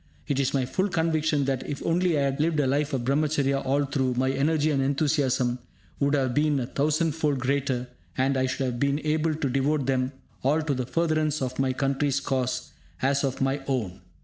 It is my full conviction that, if only I had lived a life of Brahmacharya all through, my energy and enthusiasm would have been a thousandfold greater and I should have been able to devote them all to the furtherance of my country's cause as of my own.